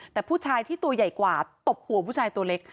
แต่ผู้ชายที่ตัวใหญ่กว่าตบหัวผู้ชายตัวเล็ก